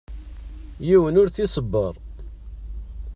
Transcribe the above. Yiwen ur t-iṣebber.